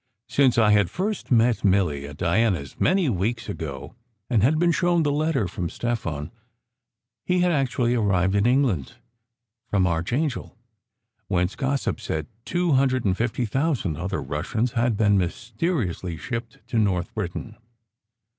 Since I had first met Milly at Di 266 SECRET HISTORY ana s many weeks ago, and had been shown the letter from Stefan, he had actually arrived in England from Arch angel, whence gossip said two hundred and fifty thousand other Russians had been mysteriously shipped to north Britain.